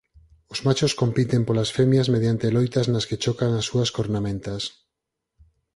Os machos compiten polas femias mediante loitas nas que chocan as súas cornamentas.